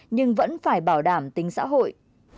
nhưng vẫn phải bảo đảm tính xã hội